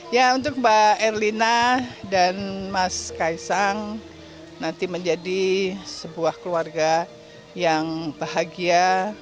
ya untuk mbak erlina dan mas kaisang nanti menjadi sebuah keluarga yang bahagia